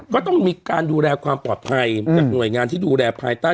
ก็ต้องมีการดูแลความปลอดภัยจากหน่วยงานที่ดูแลภายใต้